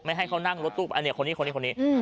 ไม่ให้เขานั่งรถตู้อันนี้คนนี้คนนี้